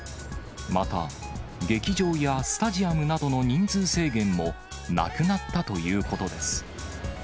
また、劇場やスタジアムなどの人数制限も、なくなったということです。